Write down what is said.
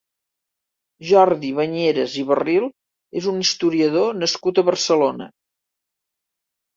Jordi Bañeres i Barril és un historiador nascut a Barcelona.